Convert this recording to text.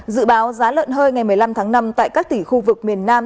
dự báo giá lợn hơi ngày một mươi năm tháng năm tại các tỉnh khu vực miền nam